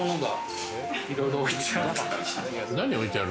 何が置いてある？